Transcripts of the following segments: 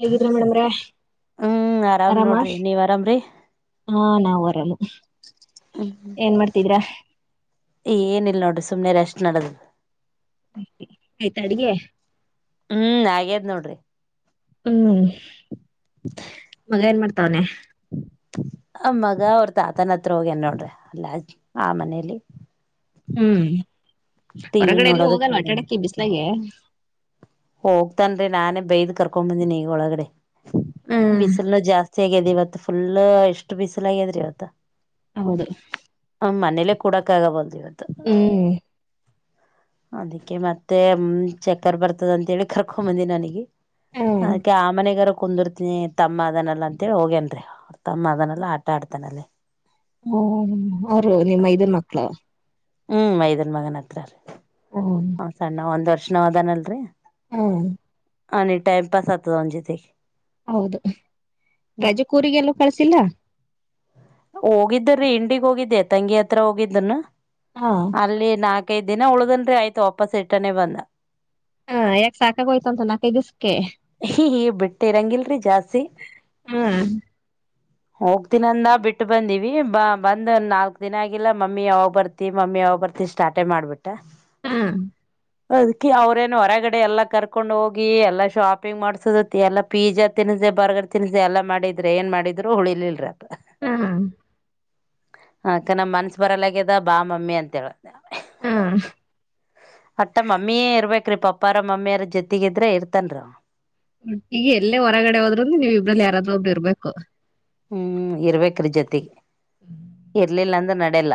ಹೇಗಿದ್ರಾ ಮೇಡಮ್ರ ಹ್ಮ್ ಆರಾಮ್ ನೋಡ್ರಿ ರಮಾಷ್ ನೀವ್ ಆರಾಮ್ರೀ ಹಾ ನಾವು ರ ಏನ್ ಮಾಡ್ತಿದರಾ ಏನಲ್ ನೋಡಿ ಸುಮ್ನೆಾರ ಅಷ್ಟ್ ನಡದ ಅಡಿಗೆ ಹ್ಮ್ ಹಾಗೇದ್ ನೋಡ್ರಿ ಹ್ಮ್ [inaudible] ಮಗ ಏನ್ ಮಾಡ್ತವ್ನೆ [inaudible] ಆ ಮಗ ಅವ್ರ ತಾತನ ಹತ್ರ ಹೋಗ್ಯನೆ ನೋಡ್ರಿ ಅಲ್ಲ ಆ ಮನೇಲಿ ಹ್ಮ್ ಟಿವಿ ಹೊರಗಡೆ ಎಲ್ಲೂ ನೋಡೋದಕ್ ಹೋಗಲ್ಲ ಅಟಡಕ್ಕಿ ಬಿಸ್ಲಾಗ ಹೋಗ್ತನ್ೀ ನಾನೇ ಬೈದ್ ಕರ್ಕೊಂಡ್ ಬಂದೀನಿ ಈಗ ಒಳಗಡೆ ಹ್ಮ್ ಬಿಸಿಲ್ನ ಜಾಸ್ತಿ ಆಗ್ಯಿದೆ ಇವತ್ ಫುಲ್ ಎಷ್ಟು ಬಿಸಿಲ್ಗ್ಯಾದ್ರಿ ಇವತ್ತ ಹೌದು ್ ಮೇಲೆೇ ಕುಡಕ್ಕ ಆಗ ಬಲ್ವ ಹ್ಮ್ ಅದಕ್ಕೆ ಮತ್ತೆ ಚಕ್ಕರ್ ಬರ್ತದಂತೇಳಿ ಕರ್ಕೊಂಬಂದಿ ನನಗೆ ಹ್ಮ್ ಅದಕ್ಕೆೆ ಆಮನೆಗರ ಕುಂದಿರ್ತನಿ ತಮ್ಮ ಅದನ್ನೆಲ್ಲಾ ಅಂತೇಳಿ ಹೋಗೇನ್ೀ ಅವ ತಮ್ಮ ಅದನ್ನೆಾ ಆಟ ಆಡ್ತಾನಲ್ಲಿ ಹ ಅವರು ನಿಮ್ಮ ಇದನ್ ಮಕ್ಳ ಹ್ಮ್ ಮೈದನ್ ಮಗನ ಹತ್ರ ರೀ ಹ್ಮ್ ಹ ಸಣ್ಣ ಒಂದ್ ವರ್ಷ ನ ಹದಾನಲ್ರರಿ. ಹ್ಮ ಅ ಟ್ಟೆಮ್ ಪಸ್ ಆತದ್ ಅವನ್ ಜತೆಗೆ. ಹೌದು ರಾಜಕ್ ಉರಿಗೆಲ್ಲು ಕಳ್ಸಿಲ್ಲ. ಹೋಗಿದ್ದ ರಿ ಇಂಡಿಗ್ ಹೋಗಿದ್ದೆ ತಂಗಿ ಹತ್ರ ಹೋಗಿದ್ದನ ಹಾ ಅಲ್ಲಿ ನಾ ನಾಕ್ ಐದಿನ ಉಳ್ದಲ್ರರಿ ಆಯ್ತು ವಾಪಸ್ ರಿಟ್ಟನೇ ಬಂದ. ಹಾ ಯಾಕ ಸಾಕಾಗೋಯ್ತಂತ ನಾಲ್ಕೈದು ದಿವ್ಸಕ್ಕೆ ಹ ಹ ಬಿಟ್ಟಿರಂಗಿಲ್ರಿ ಜಾಸ್ತಿ. ಹ್ಮ್ ಹೋಗ್ ತಿನಂದ ಬಿಟ್ಟು ಬಂದಿವಿ ಬ ಬಂದ್ ನಾಲ್ಕು ದಿನ ಆಗಿಲ್ಲ ಮಮ್ಮಿ ಯಾವಾಗ್ ಬರ್ತಿ ಮಮ್ಮಿ ಯಾವಾಗ್ ಬರ್ತಿ ಸ್ಟಾಟ್ ಆಟೆ ಮಾಡ್ಬಿಟ್ಟಾ. ಹ್ಮ್ ಅದ್ಕಿ ಅವ್ರೇನು ಹೊರಗಡೆ ಎಲ್ಲಾ ಕರ್ಕೊಂಡ್ ಹೋಗಿ ಎಲ್ಲಾ ಶಾಪಿಂಗ್ ಮಾಡ್ಸದ ಎಲ್ಲಾ ಪೀಜಾ ತಿ ಪಿಜ ಬರ್ಗರ್ ತಿನ್ಸಿ ಎಲ್ಲ ಮಾಡಿದ್ರೆ ಏನ್ ಮಾಡಿದ್ರು ಉಳಿಲ್ರ. ಹ್ಮ ಹಾ ಅತೆ ನಮ್ ಮನ್ಸ ಬರಲಗ್ಯದ ಬಾ ಮಮ್ಮಿ ಅಂತ ಹೇಳ ಹ್ಮ ಬಾಕ್ರೀ ಪಪ್ಪಾರ ಮಮ್ಮಿಯಾರ ಜೊತೆಗಿದ್ರೆ ಇರ್ತನ್. ಈಗ ಎಲ್ಲೇ ಹೊರಗಡೆ ಹೋದ್ರನು ನೀವ್ ಇಬ್ರಲ್ ಯಾರಾದ್ರೂ ಒಬ್ರು ನು ಇರ್ಬೇಕು. ಹ್ಮ್ ಇರ್ಬೇಕ್ರಿ ಜೊತೆಗೆ ಇರ್ಲಿಲ್ಲ ಅಂದ್ರ ನಡ್ಯಲ್ಲ.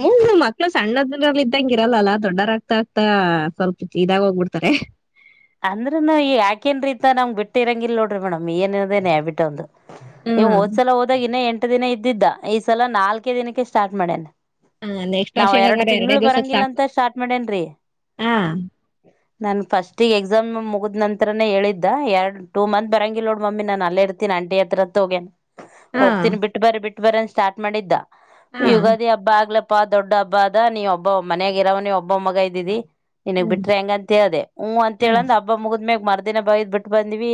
ಹ್ಮ್ ಮಕ್ಳು ಸಣ್ಣದ್ರ ಇದ್ದಂಗ ಇರಲ್ಲಲ್ಲಾ ದೊಡ್ಡರಾಗ್ತಾ ಆಗ್ತಾ ಸ್ವಲ್ಪ ಇದಾಗ ಹೋಗ್ಬಿಡ್ತಾರೆ. ಅಂದ್ರನು ಈಗ ಯಾಕೇನ್ ರೀತ ನಮ್ ಬಿಟ್ಟ ಇರಂಗಿಲ್ ನೋಡ್ರಿ ಮೇಡಮ್ ಏನದೇನ್ ಹ್ಯಾಬಿಟ್ ಒಂದು. ಈ ಹ್ಮ್ ಹೋದ್ಸಲ ಹೋದಾಗ ಇನ್ನ ಎಂಟ ದಿನ ಇದ್ದಿದ್ದ ಈ ಸಲ ನಾಲ್ಕೆ ದಿನಕ್ಕೆ ಸ್ಟಾರ್ಟ್ ಮಾಡೇನ್ ನೆಕ್ಸ್ಟ್ ನಾವ್ ವರ್ಷಕ್ಕೆ ಎರಡು ಹಂಗಾರೆ ತಿಂಗ್ಳ ಎರಡೇ ದಿವ್ಸಕ್ ಬರಂಗಿಲ್ಲ ಸಾಕು ಅಂತ ಸ್ಟಾರ್ಟ್ ಮಾಡೇನ್ರಿ. ಹಾ ನನ್ ಫಸ್ಟ್ - - ಎಕ್ಸಾಮ್ ಮುಗಿದ್ ನಂತ್ರನೇ ಹೇಳಿದ್ದ ಎರಡು ಟೂ ಮಂತ್ ಬರಂಗಿಲ್ಲ ನೋಡ್ ಮಮ್ಮಿ ನಾನು ಅಲ್ಲೇ ಇತನಿ ಅಂಟಿ ಹತ್ರ ಹತ್ರ ಹೋಗಿ. ಹಾ ಹೋಗ್ತೀನಿ ಬಿಟ್ಟ ಬರಿ ಬಿಟ್ಟ ಬರೀ ಅಂತ್ ಸ್ಟಾರ್ಟ್ ಮಾಡಿದ್ದ ಹಾ ಯುಗಾದಿ ಹಬ್ಬ ಆಗ್ಲಪ್ ಹಪ್ಪಾ ದೊಡ್ಡ ಹಬ್ಬ ಅದ ನೀವ ಒಬ್ಬ ಮನ್ಯಾಗ್ ಇರವ ನೀವು ಒಬ್ಬ ಮಗ ಇದಿದಿ ನಿನಗ್ ಹ್ಮ್ ಬಿಟ್ರೆ ಹೆಂಗ ಅಂತ ಹೇಳ್ದೆ. ಹ್ ಅಂತ ಹೇಳ ಹ್ಮ್ ಅಂದ ಅಬ್ಬ ಮುಗದ್ ಮರ್ದಿನ ಬೈದ್ ಬಿಟ್ಟ ಬಂದ್ವಿ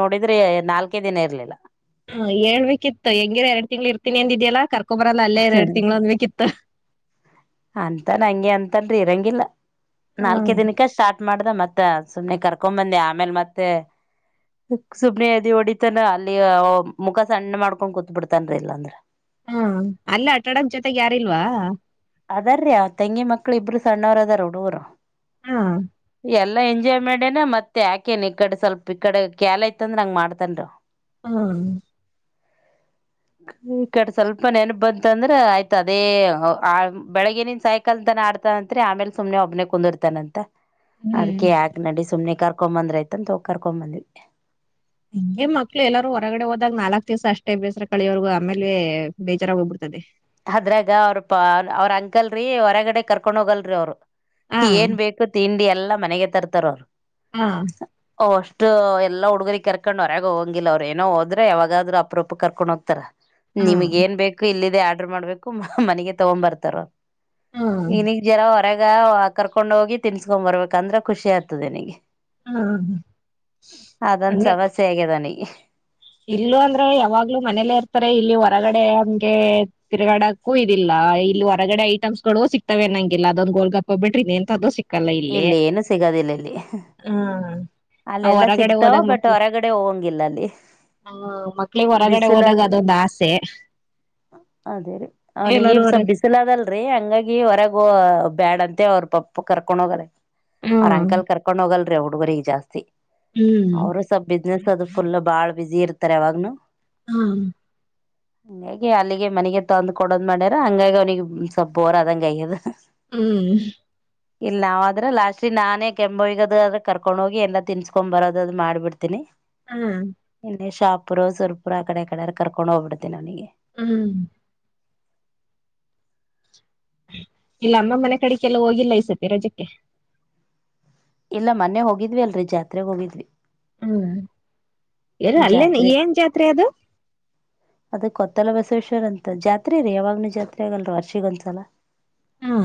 ನೋಡಿದ್ರೆ ನಾಲ್ಕೆ ದಿನ ಇರ್ಲಿಲ್ಲ. ಹಾ ಹೇಳ್ಬೇಕಿತ್ತು ಹ ಹೆಂಗಿರ ಎರಡ್ ತಿಂಗ್ಳ ಇರ್ತಿನ್ ಅಂದಿದ್ಯಲ್ಲ ಕರ್- - ಕ್ಕೊಬರಲ್ಲ ಅಲ್ಲೇ ಇರು ಎರಡು ತಿಂಗ್ಳು ಅನ್ಬೆಕೇಕಿತ್ತು. ಅಂತಲ್ರಿ ಇರಂಗಿಲ್ಲ ನಾಲ್ಕೆ ಹ್ಮ್ ದಿನಕ್ಕ ಸ್ಟಾರ್ಟ್ ಮಾಡ್ದ ಮತ್ತ ತ್ತ ಸುಮ್ನೆ ಕರ್ಕೊ್ ಬಂದೆ ಆಮೇಲ್ ಮತ್ತೆ. ಸುಬ್ನಿದಿ ಹೊಡಿತನ ಅಲ್ಲಿ ಮುಖ ಸಣ್ಣ ಮಾಡ್ಕೊಂಡ್ ಕುೂತ್ ಬಿಡ್ತನ್ರಿ ಇಲ್ಲ ಅಂದ್ರೆ. ಹ್ಮ ಅಲ್ಲೇ ಆಟಾಡೊಕೆ ಜೊತೆಗೆ ಯಾರಿಲ್ವಾ. ಅದಾರ್ರೀ ಅವರ್ ತಂಗಿ ಮಕ್ಕಳು ಇಬ್ರು ಸಣ್ಣವ್ರ ಅದಾರ ಹುಡುಗ್ರು. ಹಾ ಎಲ್ಲಾ ಎಂಜಾಯ್ ಮಾಡೇನ ಮತ್ತೆ ಯಾಕೇನ ನಿಕಡ್ ಸ್ವಲ್ಪ್ ಈ ಕಡೆ ಕ್ಯಾಲ ಐತ್ಂದ್ರ ಹಂಗ್ ಮಾಡ್ತನ ಹ್ಮ ಈ ಕಡೆ ಸ್ವಲ್ಪ ನೆನಪು ಬಂತಂದ್ರೆ ಆಯ್ತ ಅದೇ. ಆ ಬೆಳಗ್ಗಿನಿಂದ್ ಸೈಕಲ್ ತನ ಆಡ್ತಂತತ್ರಿ ಆಮೇಲೆ ಸುಮನೆ ಒಬ್ನೆ ಕುಂದುರ್ತಾನಂತ. ಅದ್ಕ ಹ್ಮ್ ಯಾಕ ನಡಿ ಸುಮ್ನೆ ಕರ್ಕೊ ಬಂದ್ರ ಐತಂತ ಹೋಗ ಕರ್ಕೊ ಬಂದ್ವಿ. ಹಿಂಗೆ ಮಕ್ಳು ಎಲ್ಲಾರೂ ಹೊರಗಡೆ ಹೋದಾಗ ನಾಲ್ಕ್ ದಿವ್ಸ ಅಷ್ಟೇ ಬೇಸರ ಕಳಿಯೋವರ್ಗ ಆಮೇಲೆೇ ಬೇಜಾರಾಗ ಹೋಗ್ಬಿಡ್ತದೆ. ಅದ್ರಾಗ ಅವ್ರ ಪ ಅವ್ರ ಅಂಕಲ್ರೀ ಹೊರಗಡೆ ಕರ್ಕೊಂಡ್ ಹೋಗಲ್ರಿ ಅವ್ರು. ಹಾ ಏನ್ ಬೇಕು ತಿಂಡಿ ಎಲ್ಲಾ ಮನೆಗೆ ತರ್ತಾರ್ ಅವರು. ಹ್ಮ ಅಷ್ಟು ಎಲ್ಲ ಹುಡುಗ್ ಕರ್ಕೊಂಡ್ ಹೊರಾಗ್ ಹೋಗಂಗಿಲ್ಲ ಅವ್ರು ಏನೋ ಹೋದ್ರೆ ಯಾವಾಗಾದ್ರರು ಅಪ್ರೂಪ ಕರ್ಕೊಂಡು ಹೋಗ್ತಾರ. ಹಾ ನಿಮಗ್ ಏನ್ ಬೇಕು ಇಲ್ಲಿದೆ ಆರ್ಡ್ರ ಮಾಡ್ಬೇಕು ಮನೆಗೆ ತಗೊ ಬರ್ತಾರ. ಹ್ಮ್ ಇನಗ್ ಜರ. ರಗ ಕರ್ಕೊಂಡ್ ಹೋಗಿ ತಿನ್ಸ್ಕ ಬರ್ಬೇಕ ಅಂದ್ರೆ ಖುಷಿ ಆಗ್ತದೆ ನಗೆ. ಹ್ಮ್ ಅದಂದ ಅಂದ್ರೆ ಸಮಸ್ಯೆ ಆಗದಾನಿ. ಇಲ್ಲೂ ಅಂದ್ರೆ ಯಾವಾಗ್ಲೂ ಮನೇಲ್ಲೇ ಇರ್ತಾರೆ ಇಲ್ಲಿ ಹೊರಗಡೆ ಹಂಗೆ ತಿರ್ಗಾಡಕ್ಕೂ ಇದಿಲ್ಲ. ಇಲ್ಲಿ ಹೊರಗಡೆ ಐಟಮ್ಸ್ ಗಳು ಸಿಕ್ತವೆ ನಂಗಿಲ್ಲ ಅದೊಂದು ಗೋಲ್ಗಾಪ್ಪ ಬಿಟ್ರಿ ಅಂತ ಅದು ಸಿಕ್. ಇಲ್ಲಿ ಏನು ಸಿಗದಿಲ್ಲ ಇಲ್ಲಿ. ಆ ಅಲ್ಲೆಲ್ಲಾ ಹೊರಗಡೆ ಸಿಗ್ತಾವ ಬಟ್ ಹೊರಗಡೆ ಹೋಗಂಗಿಲ್ಲ ಅಲ್ಲಿ. ಹಾ ಮಕ್ಳಗ್ ಹೊರಗಡೆ ಬಿಸಿಲ ಹೋದಾಗ ಅದೊಂದು ಆಸೆ. ಅದೇ ರೀ ಅವ್ನಿಗೆ ಎಲ್ಲರೂ ಸ್ವಲ್ ಹೊರಗೆ ಬಿಸಿಲ ಅದಲ್ರರಿ ಹಂಗಾಗಿ ಹೊರಗೂ ಬ್ಯಾಡಂತ. ಮತ್ತ ಅವ್ರ ಪಪ್ಪ ಕರ್ಕೊಂಡ್ ಹೋಗ್ರ ಅವ್ರ ಹ್ಮ್ ಅಂಕಲ್ ಕರ್ಕೊಂಡ್ ಹೋಗಲ್ರಿ ಹುಡುಗರು ಈಗ ಜಾಸ್ತಿ. ಹ್ಮ್ ಅವರು ಸ್ವಲ್ ಬಿಸ್ನೆಸ್ ಅದು ಫುಲ್ ಬಾಳ್ ಬಝಿ ಇರ್ತಾರೆ ಅವಾಗ್ನು. ಹಾ. ಹಂಗಾಗಿ ಅಲ್ಲಿಗೆ ಮನೆಗೆ ತೊಂದ್ ಕೊಡೋದ್ ಮಾಡ್ಯಾರ ಹಂಗಾಗಿ ಅವನಿಗೆ ಸ್ವಲ್ಪ ಬೋರ ಅದಂಗ ಅಯ್ಯದ. ಹ್ಮ್ ಇಲ್ಲ ನಾಾವ ಆದ್ರ ಲಾಸ್ಟ್ಲಿ ನಾನೇ ಕೆಂಬಿಗದ್ರೆ ಕರ್ಕೊಂಡ್ ಹೋಗಿ ಎಲ್ಲ ತಿನ್ಸಸ್ಕೊಂಡ್ ಬರೋದದು ಮಾಡ್ಬಿಡ್ತೀನಿ ಹ್ಮ್ ಇನ್ನೆ ಶಾಪುರ್ ಸುರ್ಪುರ ಆ ಕಡೆ ಕಡೆಾರ ಕರ್ಕೊಂಡು ಹೋಗ್ಬಿಡ್ತಿನಿ ನನಿಗೆ ಹ್ಮ್ ಇಲ್ಲ ಅಮ್ಮ ಮನೆ ಕಡೆಗೆಲ್ಲ ಹೋಗಿಲ್ಲ ಈ ಸತಿ ರಜಕ್ಕೆ ಇಲ್ಲ ಮೊನ್ನೆ ಹೋಗಿದ್ವಿ ಅಲ್ರರಿ ಜಾತ್ರೆಗ್ ಹೋಗಿದ್ವಿ ಹ್ಮ್ ಎಲ್ಲ ಅಲ್ಲೇ ಜಾತ್ರೆ ಏನ್ ಜಾತ್ರೆ ಅದು ರ್ ಅಂತ ಜಾತ್ರೆ ರೀ ಯಾವಾಗ್ನೂ ಜಾತ್ರೆ ಆಗಲ್ ವರ್ಷಿಗ ಒಂದ್ಸಲ ಹಾ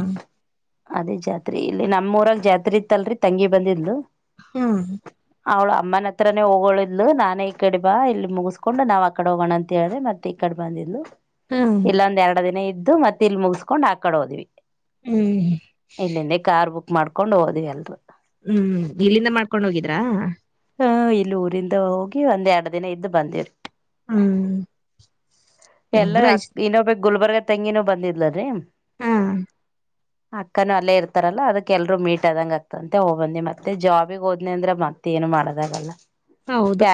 ಅದೇ ಜಾತ್ರಿ ಇಲ್ಲಿ ನಮ್ಮೂಊರಲ್ ಜಾತ್ರೆ ಇತ್ತಲ್ರರಿ ತಂಗಿ ಬಂದಿದು ಹ್ಮ್ ಅಮ್ಮನ ಹತ್ರನೇ ಹೋಗೋಳು ನಾ ಮನೆ ಈ ಕಡೆ ಬಾ ಇಲ್ಲಿ ಮುಗಿಸ್ಕೊಂಡು ನಾವ್ ಆ ಕಡೆ ಹೋಗೋಣ ಅಂತ ಹೇಳ್ರೆ ಮತ್ತೆ ಈ ಕಡೆ ಬಂದಿದ್ದು ಹ್ಮ್ ಇಲ್ಲೊಂದ ಎರಡು ದಿನ ಇದ್ದು ಮತ್ತೆ ಇಲ್ ಮುಗಸ್ಕೊಂಡ್ ಆಕಡೆ ಹೋದ್ವಿ ಹ್ಮ್ ಇಲ್ಲಿಂದ ಕಾರ್ ಬುಕ್ ಮಾಡ್ಕೊಂಡು ಹೋದ್ವಿ ಅಲ್ರು ಹ್ಮ್ ಇಲ್ಲಿಂದ ಮಾಡ್ಕೊಂಡ ಹೋಗಿದ್ರಾ ಹ ಇಲ್ಲಿ ಊರಿಂದ ಹೋಗಿ ಒಂದ್ ಎರಡು ದಿನ ಇದ್ದ್ ಬಂದಿವ್ರಿ ಹ್ಮ್ ಎಲ್ಲ ಅ ಎಂಗ್ರೇಜ್ ಇನೋ ಬಕ್ ಗುಲ್ಬರ್ಗ ತೆಂಗಿನೂ ಬಂದಿದ್ಲ್ರರಿ ಹಾ ಅಕ್ಕನು ಅಲ್ಲೇ ಇರ್ತಾರಲ್ಲಾ ಅದಕ್ಕೆ ಎಲ್ರು ಮೀಟ್ ಆದಂಗ ಆಗ್ತಂತೆ ಹೋಗಬಂದಿ ಮತ್ತೆ ಜಾಬಿಗ್ ಹೋದ್ನ ಅಂದ್ರ ಮ ಮತ್ತೇಏನು ಮಾಡದಾಗಲ್ಲ ಹೌದು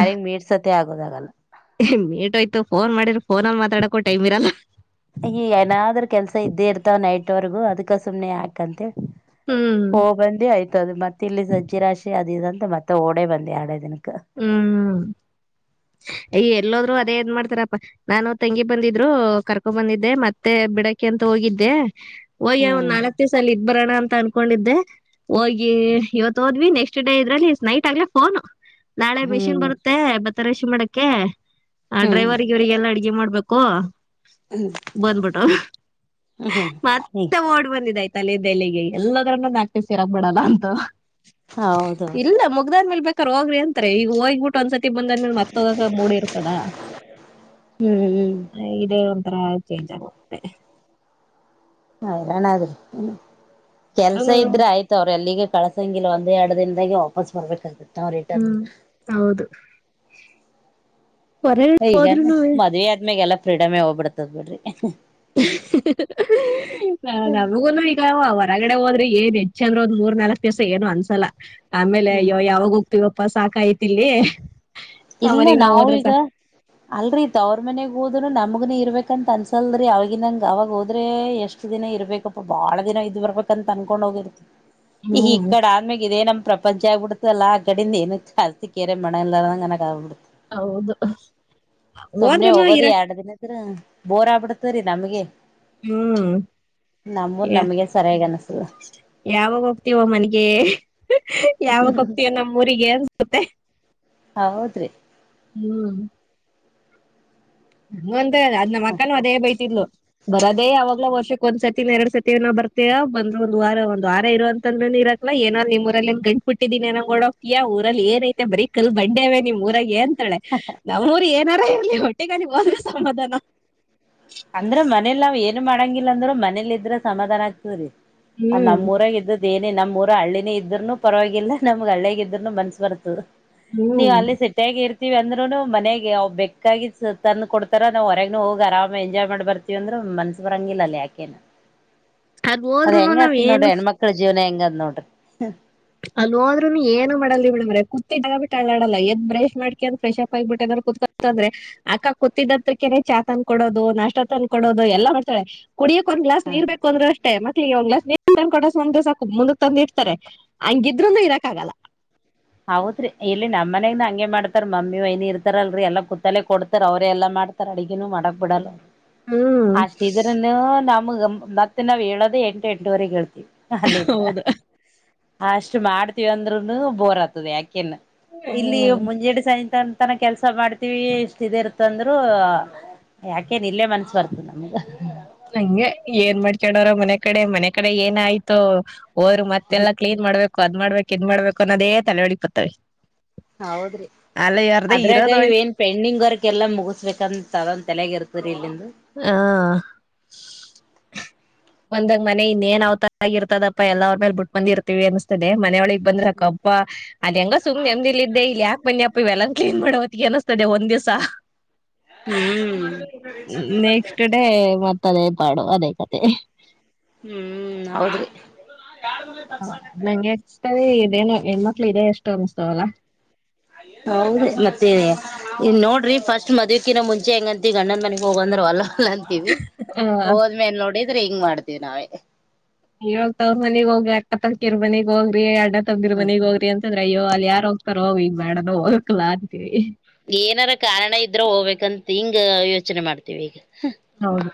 ಮೇಟೋಯ್ತು ಫೋನ್ ಮಾಡಿರ ಫೋನಲ್ಲಿ ಮಾತಾಡ ಕೊಟೆ ಇ ಮಿರಲ್ಲ ಈ ಏನಾದ್ರ ಕೆಲ್ಸ ಇದ್ದೇ ಇರ್ತಾವ ನೈಟ್ವರ್ಗೂ ಅದ್ಕ ಸುಮ್ನೆ ಯಾಕಂತೆ ಹ್ಮ್ ಹೋಗಬಂದಿ ಆಯ್ತ ಅದು ಮತ್ತೆ ಮತ್ತ ಇಲ್ಲಿ ಸಜ್ಜ ರಾಶಿ ಅದ ಅಂತ ಮತ್ತೆ ಓಡೆೇ ಬಂದ ಎರಡೇ ದಿನಕ್ಕೆ ಹ್ಮ್ ಹ ಈ ಎಲ್ಲೋದ್ರು ಅದೇ ದ್ ಮಾಡ್ತಾರಪ್ಪಾ ನಾನು ತೆಂಗಿ ಬಂದಿದ್ರು ಕರ್ಕೊಂಡ ಬಂದಿದ್ದೆ ಮತ್ತೆ ಬಿಡಕಿ ಅಂತೂ ಹೋಗಿದ್ದೆ ಒಯ್ಯ ಹ್ಮ್ ಒನಾಲ್ತ್ತೇ ಸಾಲ ಇದ್ ಬರೋಣ ಅಂತ ಅ ಕಕೊಂಡಿದ್ದೆ ಹೋಗಿ ಇವತ್ತು ಹೋದ್ವಿ ನೆಕ್ಸ್ಟ್ ಡೇ ಇದ್ರಲ್ಲಿ ನೈಟ್ ಆಗ್ಲ ಫೋನು ನಾಳೆ ಮೆಷಿನ್ ಹ್ಮ್ ಬರುತ್ತೆ ಭತ್ತ ರಷಿ ಮಾಡಕ್ಕೆ ಆ ಹ್ಮ್ ಡ್ರೈವರ್ಗೆ ಇವರಿಗೆಲ್ಲಾ ಅಡ್ಗೆ ಮಾಡ್ ಬು ಬಂದ್ಬಿಟ್ಟು ಹ್ಮ್ ಹ್ಮ್ ಮತ್ತೆ ಓಡ್ ಬಂದಿದಾಯ್ತು ತಲೆ ತಲೆಗೆ ಎಲ್ಲದ್ರನ್ನೂಾಕ್ತೀ ಸ ಸಿರಾ ಮಾಡಲ್ಲ ಅಂತೂ ಹೌದೌದು ಇಲ್ಲ ಮುಗ್ದಾದ ಮೇಲ್ ಬೇಕಾರ ಹೋಗ್ರಿ ಅಂತಾರೆ ಈಗ ಹೋಗಿಬ ಒಂದ್ಸತಿ ಬಂದಂದ ಮರ್ತ ಹೋಗಕ ಮೂಡಿ ಇರ್ತದ ಹ್ಮ್ ಹ್ಮ್ ಇ ಎ ಆಳ ಚಜ ಕೊಟ್ಟೆ ಹ ಇರಾಣಾದ್ರಿ ಕೆಲ್ಸ ಇದ್ರೆ ಆಯ್ತ ಅವ್ರ ಎಲ್ಲಿಗೆ ಕಳಸಂಗಿಿಲ್ಲ ಒಂದೇ ಎರಡು ದಿನದಾಗ ಓಪನ್ಸ್ ಬರಬೇಕಾಗೆ ಹ್ಮ್ ಹೌದು ಹೊರಗಡೆ ಈಗ ಹೋದ್ರುನು ಮದ್ ಆದ್ಮ್ಯಾಗೆಲ್ಲಾ ಫ್ರೀಡಮೇ ಹೋಗ್ಬಿಡ್ತದ ಬಿಡ್ರಿ ನಮಗುನು ಈಗ ಹೊರಗಡೆ ಹೋದ್ರೆ ಏನ್ ಚಂದ್ರ ಒಂದ್ ಮೂರ್ ನಾಲ್ಕ್ು ದಿವಸ ಏನು ಅನ್ಸಲ್ಲ ಆಮೇಲೆ ಹ್ಮ್ ಯೋ ಯಾವಾಗ ಹೋಗ್ತಿವೋ ಪಪ್ಪ ಸಾಕಾಯ್ತಿಲ್ಲಿ ಇಲ್ಲ ನಾವವುೀಗ ಅಲ್ರೀತ್ ಅವ್ರ ಮನೆಗ್ ಹೋದನು ನಮಗನ ಇರ್ಬೇಕ ಂತ ಅನ್ಸಲ್್ರಿ ಅವಗ ನಂಗೆ ಅವಾಗ ಹೋದ್ರೆ ಎಷ್ಟ್ ದಿನ ಇರ್ಬೇಕಪ್ಪ ಬಾಳ ದಿನ ಇದ್ ಬರ್ಬೇಕ ಅಂತ ಅನ್ಕೊಂಡೋಗ ಈ ಈ ಹ್ಮ್ ಕಡೆ ಆದ್ಮೇಾಗ ಇದೇ ನಮ್ ಪ್ರಪಂಚ ಆಗ್ಬಡ ಇಲ್ಲ ಆ ಗಡಿಂದ ಏನ ಕಾಸತಿ ಕೇರೆ ಮಾಡೋ ನನಗ್ ಆಬಿಡ್ು ಹೌದು ಸುಮ್ನೆ ಹೋದ್ರೂನು ಇರ ಹೋಗೋದು ಎರಡ್ ದಿನ ಬೋರ್ ಆಗ್ಬಿಡ್ತ್ರೀ ನಮಗೆ ಹ್ಮ್ ನಮ್ಮೂರ್ ನಮಗೆ ಸರಿಯಾಗಿ ಅನ್ಸಲ್ಲ ಯಾವಾಗ ಹೋಗ್ತವ ಮನಗೆ ಯಾವಾಗ ಹೋಗ್ತೀಯೋ ನಮ್ಮ್ ಊರಿಗೆ ರ್ಗುತ್ತೆ ಹೌದ್ರಿ ಹ್ಮ್ ಹಂದ ಅದ್ ಮಕ್ಕನು ಅದೇ ಬೈತಿ್ಲು ಬರದೇ ಅ ಅವಾಗಲ ವರ್ಷ ಕ ಕೊಸತಿ ಮ ಸ ಏ ಬರ್ತವ ಬಂದ್ರ ಒಂದು ವಾರ ಒಂದ ವಾರ ಇೋ ಅಂತಂದ್ರೂ ಇರಕ್ಲ್ಲ ಏನ್ ನಿಮ್ಮ ಊಲ್ಲಲ್ಲಿ ಗಂ್ ಬಿಟ್ಟಿದೀನಿಏನ ನೋಡೋಗತಿಯಯ ಊರಲ್ಲಿ ಏ ಐತೆ ಬರಿ ಕಲ್ ಬಂಡೇವ ನಿಮ್ ಊರಾಗ ಏ ಾಳೆ ನಮ್ಮ್ೂರು ಏನಾರ ಇಲ್ಲಿ ಹೊಟ್ಟೆಗಾಲ ಹೋದ್ರೆ ಸಮಾಧಾನ ಅಂದ್ರ ಮನೇಲಿ ನಾವ್ ಏನು ಮಾಡಂಗಿಲ್ಲ ಅಂದ್ರರು ಮನೇಲಿ ಇದ್ರ ಸಮಾಧಾನ ಆಗ್ತವ್ರೀ ಅ ಹ್ಮ್ ನಮ್ಮೂಊರಗೆ ಇದ್ದ ಇದೇನೇ ನಮ್ಮ ಊರು ಹಳ್ಳಿನೇ ಇದ್ರೂ ಪರವಾಗಿಲ್ಲ ನಮ್ಗೆ ಹಳ್ಳಿಯಗ ಇದ್ೂನು ಮನ್ಸ್ಸ ಬರ್ತದರು ನೀವ್ ಹ್ಮ್ ಅಲ್ಲಿ ಸೆಟ್ಟಿಯಗ ಇರ್ತ ರ್ವಿ ಅಂದ್ರುನು ಮನೆಗೆ ಅವ್ ಬೆೇಕಾಗಿ ತಂದು ಕೊಡ್ತಾರ ನಾವು ಹೊರಗನು ಹೋಗಿ ಆರಾಮ ಎಂಜಾಯ್ ಮಾಡ್ ಬರ್ತೀವಿ ಅಂದ್ರೆ ಮನ್ಸ್ ಬರಂಗಿಲ್ಲ ಅಲ್ಲ ಯಾಕೆನು ಅದ್ ಹೋದ್ರುನು ಹೆಂಗ ನಾವ್ ಆತದ್ ಏನ್ ನೋಡ್ರಿ ಹೆಣ್ಮಕ್ಳ ಜೀವನ ಹೆಂಗ ಅದ್ ನೋಡ್ರಿ ಅಲ್ಲಿೋದ್ೂನು ಏನು ಮಾಡಲ್ಲ ಮೇಡಮ್ರ ಕ ಬಿಟ್ಟ ಆಾಡಲ್ಲ ಎದ ಬ್ರ್ ಮಾಡ್ಕ ಅಂದ ್ರೆ್ಪ್ ಆಗ್ಿಬಿಟ್ಟ ಅ್ರೆ ಕ ಕುತ್ಕೊತಂದ್ರೆ ಅಕ್ಕ ಕೂತಿದತ್ರಕನೆ ಚಾ ತಂದ ಕೊಡೋದು ನಷ್ಟ ತಂದ ಕೊಡೋದು ಎಲ್ಲ ಮಾಡ್ತಾಳೆ ಕುಡಿಯಕ್ ಒಂದ್ ಗ್ಲಾಸ್ ನೀರ್ ಬೇಕ ಅಂದ್ರರು ಅಷ್ಟೇ ಮಕ್ಳಿಗೆ ಒಂದ್ ಗ್ಲಾ ನೀರ್ ತ ಕೊಡಸ ಅಂದ್ರ ಸಾಕು ಮುಂದಕ್ಕೆಕ್ ತಂದಿರ್ತಾರೆ ಹಂಗಿದ್ರಂದ ಇರಕ್ ಆಗಲ್ಲ ಹೌದ್ರಿ ಇಲ್ಲಿ ನಮ್ಮ ಮನಗ್ ಹಂಗೆ ಮಾಡ್ತಾರ್ ಮಮ್ಮಿ ವೈನಿ ಇರ್ತಾರಲ್ರಿ ಎಲ್ಲಾ ಕುತ್ತಲೆ ಕೊಡ್ತಾರ ಅವ್ರೇ ಎಲ್ಲಾ ಮಾಡ್ತಾರ ಅಡಗನು ಮಾಡಕ್ ಬಿಡಲ್ಲ ಹ್ಮ್ ಅಷ್ಟ ಇದ್ರನು ನಮಗ ಮತ್ತತ್ ನಾವ್ ಹೇಳದ ಎಂಟು ಎಂಟವರೆಗೆ ಹೇಳ್ತೀವಿ ಅಲ್ಲಿದ್ರ ಹೌದು ಅಷ್ಟ್ ಮಾಡ್ತೀವ ಅಂದ್ರುನು ಬೋರ್ ಆಗ್ತದೆ ಯಾಕೆ ಲ್ಲ ಇಲ್ಲಿ ಹ್ಮ್ ಮುಂಜಡು ಸಾಯಂತ ಅ ತನ ಕೆಲ್ಸ ಮಾಡ್ತೀವಿ ಇಷ್ಟ ಇದ ಇರ್ತಂದ್ರರು ಯಾಕೆ ನಿ ಇಲ್ಲೇ ಮನ್ಸ ಬರ್ತು ನಮ್ಗ ಕೋರು ಮನೆ ಕಡೆ ಮನೆ ಕಡೆ ಏನ ಆಯ್ತು ಅವೋರು ಮತ್ತೆಲ್ಲ ಕ್ಲೀನ್ ಮಾಡ್ಬೇಕು ಅದ್ ಮಾಡ್ಬೇಕು ನ್ ಮಾಡ್ಬೇಕು ಅನ್ನೋದೇ ತಲೆ ಹೊಡಿ ಬತವಿ ಹೌದ್ರಿ ಅದ್ರಾಗ ಇವ ಹೋಯ್ತು ಏನ್ ಪೆಂಡಿಂಗ್ ವರ್ಕ್ ಎಲ್ಲಾ ಮುಗಸ್ಬೇಕಂತದ ತಲಯಗ ಇರ್ತರಿ ಇಲ್ಲಿಂದ ಹಾ ಒಂದಾಗ ಮನೆ ಇನ್ನೇನ್ ಅವತ ಆಾಗಿ ಇರ್ತದಪ್ಪ ಎಾ ಅವ್ರ ಮೇಲೆ ಬಿಟ್ ಬಂದಿರ್ತತಿವಿ ಅನಸ್ತಿದೆ ಮನೆೊಳಿಿಗೆ ಬಂದ್ರಕ್ಕಪ್ಪಾ ಅದ ಹೆಂಗ ಸು್ ನೆಮ್ದಿಿಲ್ಲ ಇದೆ ಇಲ್ಲಿ ಯಾಕಕ್ ಬನ್ನಿಪ್ಪ ಇವೆಲ್ಲಾ ಕ್ಲೀನ್ ಮಾಡವ ಅನಿಸ್ತದೆ ಒಂದ್ ದಿವಸ ಹ್ಮ್ ನೆಕ್ಸ್ಟ್ ಡೇ ಮತ್ತೆ ತದೇ ಪಾಡು ಅದೇ ಕತೆೆ ಹ್ಮ್ ಹೌದ್ರಿ ಹ ನಂಗೆ ಎತ ಇದೇನು ಹೆಣ್ಮಕ್ಳ ಇದೆ ಎಷ್ಟು ಅನ್ಸ್್ತವಲ್ಲ ಹೌದ ಮತ್ತೇ ಇ ನೋಡರಿ ಫಸ್ಟ್ ಮದ್ಕಿಾ ಮುಂಚೆ ಹೆಂಗಂತಿ ಗಂಡಂದ ಮನೆಗ್ ಹೋಗಂದ್ವಲ್ಲ ಂತೀವಿ ಹೋದ್ಮೇಲ್ ನೋಡಿದ್ರೆ ಹಿಂಗ ಮಾಡ್ತೀವಿ ನಾವೇ ಇವಾಗ ತಾವ ಮನಗ ಹೋಗಿ ಅಕ್ಕತಕಿರ್ ಮನಗ್ ಹೋಗ್ರಿ ಎ ಎ ತಗ್ದಿರ್ ಮನೆಗ್ ಹೋಗ್ರಿ ಅಂತಂದ್ರ ಅಯ್ಯೋ ಅಲ್ಲಿ ಯಾರ ಹೋಗ್ತಾರೋ ಈಗ ಬೇಡ ಹೋಗಕ್ಲ ಅಂತೀರಿ ಏನಾರ ಕಾರಣ ಇದ್ರೆ ಹೋಗ್ಬೇಕಂತ ಹಿಂಗ ಯೋಚನೆ ಮಾಡ್ತೀವಿ ಈಗ ಹೌದು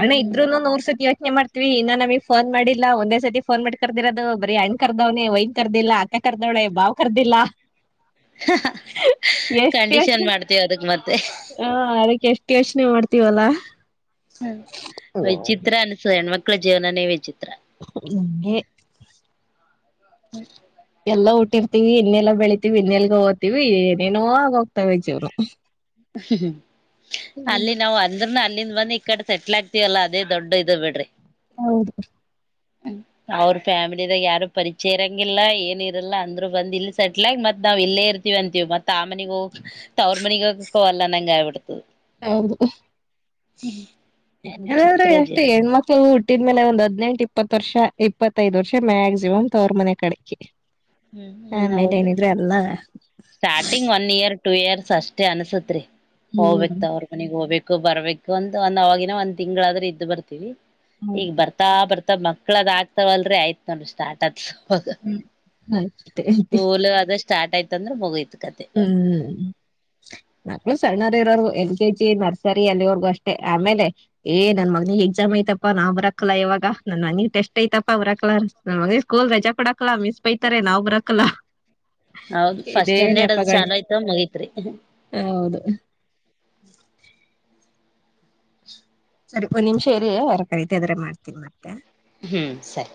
ಅಣೆ ಇದ್ರಂದ ನೂರ್ ಸತಿ ಯ ಏನ್ ಮಾಡ್ತತಿವಿ ಇನ್ನ ನಮ ಫೋನ್ ಮಾಡಿಲ್ಲ ಒಂದೇ ಸತಿ ಫೋನ್ ಮಾಡಿ ಕರ್ದಿರದು ಬರಿ ಅಣ್ಣ ಕರ್ದವ್ನೆ ಒಯನ್ ಕರ್ಿಲ್ಲ ಆ ಕರ್ದೋಳೆ ಬಾವ್ ಕರ್ದಿಲ್ಲಾ ಎಷ್ಟಷ ಕಂಡೀಷನ್ ಮಾಡ್ತೀವಿ ಅದಕ್ ಮತ್ತೆ ಹಾ ಅದಕ್ಕೆ ಎಷ್ಟ ಯೋಚನೆ ಮಾಡ್ತೀವಲ್ಲಾ ಹ್ಮ ವಿಚಿತ್ರ ಅನ್ಸುದ ಹೆಣ್ಮಕ್ಳ ಜೀವನನೇ ವಿಚಿತ್ರ ಹಗೆ ಹ್ಮ ಎಲ್ಲ ಊಟ್ಟಿರ್ತಿೀವಿ ಇನ್ನೆಲ್ಲ ಬೆಳತಿೀವಿ ಇನ್ನೆಲ್ಗ ಹೋಗ್ತಿೀವಿ ಏನೇನೋ ಆಗೋಗ್ತಾವ ಜವ್ರು ಅಲ್ಲಿ ನಾವು ಅಂದ್ರ ಅಲ್ಲಿ ಇಲ್ಲಿಂದ ಬಂದಿ ಈ ಕಡೆ ಸೆಟ್ಲ್ ಆಗ್ತವಲ್ಲ ಅದ ದೊಡ್ಡ ಇದು ಬಿಡ್ರಿ ಹೌದು ಹ ಅವ್ರ ಫ್ಯಾಮಿಲಿದಾಗ ಯಾರು ಪರಿಚಯಂಗಿಲ್ಲ ಏನ ಇರಲ್ಲ ಅಂದ್ರು ಬಂದ ಇಲ್ಲಿ ಸೆಟ್ಲ್ ಆಗಿ ಮತ್ ನಾವ್ ಇಲ್ಲೇ ಇ ವಂತೀವಿ ಮತ್ ಆ ಮನಗ ಹೋಗ ಅವ್ರ ಮನಿಗೋಗಲ್ಲ ನಂಗಗೆ ಆಬಿಡ್ತ ಹೌದು ಅಾದೂ ವಿಚಿತ್ರ ಎಷ್ಟು ಜನ ಹೆಣ್ಮಕ್ಳ ಊಟ ಇಟ್ಟಿದ್ಮೇಲೆ ಒಂದ್ ಹದ್ಿನೆಂಟು ಇಪ್ಪತ್ ವರ್ಷ ಇಪ್ಪತ್ತೈದ್ ವರ್ಷ ಮ್ಯಾಕ್ಸಿಮಮ್ ತವರ್ ಮನೆ ಕಡೆಕಿ ಹ್ಮ್ ಹ್ಮ ಹೌದ್ರಿ starting one year two years ಅಷ್ಟೇ ಅನ್ಸತ್ರಿ ಹ್ಮ್ ಹೋಗ್ಬೇಕಕ್ ಅವ್ರ ಮನಗ್ ಹೋಗ್ಬೇಕ ಬರ್ಬೇಕು ಅಂತ ಒಂದ್ ಆವಾಗಿನ ಒಂದ್ ತಿಂಗಳಾದ್ರೆ ಇದ್ದ್ ಬರ್ತೀವಿ ಹೌದು ಈಗ ಬರ್ತಾ ಬರ್ತಾ ಮ ಮಕ್ಳದ ಆಗ್ತವಲ್ರಿ ಆಯ್ತ್ ನೋ ಸ್ಟಾರ್ಟ ಅದ ಹ್ಮ್ ಹ್ಮ್ ಸ್ಕೂಲ್ ಅದು ಸ್ಟಾರ್ ಆಯ್ತ ಅಂದ್ರೆ ಮುೋಗಯತ್ ಹ್ಮ್ ನಕ್ಳು ಸರಿನಾರ ಇ ಕೆ ಜಿ ನರ್ಸರಿ ಅಲ್ಲಿವರ್ಗೂ ಅಷ್ಟೇ ಆಮೇಲೆ ಏ ನನ್ ಮಗನಿಗೆ ಎಕ್ಸಾಮ್ ಐತಪ್ಪಾ ನಾವು ಬರಕಲ್ಲ ಇವಾಗ ನನ್ ಮನಿ ಟೆಸ್ಟ್ ಐತಪಾ ಬರಕ್ಲ ನನ್ ಮಗ ಸ್ಕೂಲ್ ರಜಾ ಕೊಡಕಲಾ ಮಿಸ್ ಬೈತಾರೆ ನಾವ್ ಬರಕಲ್ಲಾ ಹೌದ ಫಸ್ಟ್ ಸ್ಟ್ಯಾಂಡರ್ಡ್ ಅದು ಚಾಲೋ ಆಯ್ತವ ಮಗೈತ್ರಿ ಹೌದು ಸರಿ ಒಂದ್ ನಿಮಿಷ ಏರಿ ಯರ ಕರೀತಿ ಅ ಆದ್ರೆ ಮಾಡ್ತನಿ ಮತ್ತೆ ಹ್ಮ್ ಸರಿ